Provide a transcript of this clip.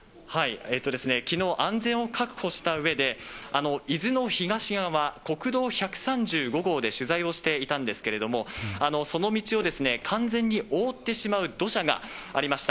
きのう、安全を確保したうえで、伊豆の東側、国道１３５号で取材をしていたんですけれども、その道を完全に覆ってしまう土砂がありました。